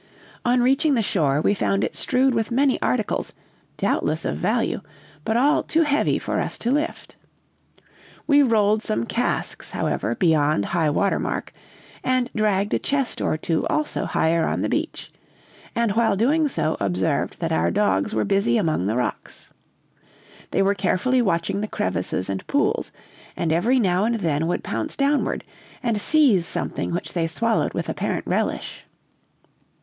"On reaching the shore, we found it strewed with many articles, doubtless of value, but all too heavy for us to lift. We rolled some casks, however, beyond high water mark, and dragged a chest or two also higher on the beach; and, while doing so, observed that our dogs were busy among the rocks. They were carefully watching the crevices and pools, and every now and then would pounce downward and seize something which they swallowed with apparent relish.